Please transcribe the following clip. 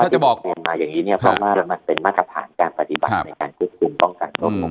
ใช่ครับเพราะว่ามันเป็นมาตรภัณฑ์การปฏิบัติในการคุดคุมป้องกันตรง